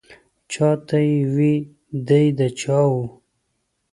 چا ته یې وې دی د چا و.